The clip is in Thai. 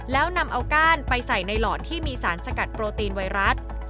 แล้วนำเอาก้านไปใส่ในหลอดที่มีสารสกัดโปรตีนไวรัส